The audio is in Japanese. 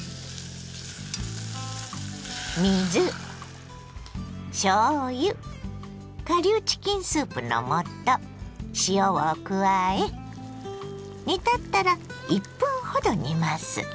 水しょうゆ顆粒チキンスープの素塩を加え煮立ったら１分ほど煮ます。